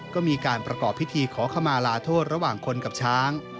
ก็มีการประกอบพิธีขอขมาลาโทษระหว่างคนกับช้าง